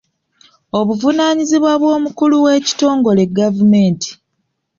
Obuvunaanyizibwa bw'omukulu w'ekitongole gavumenti.